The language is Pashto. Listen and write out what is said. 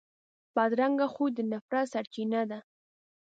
بدرنګه خوی د نفرت سرچینه ده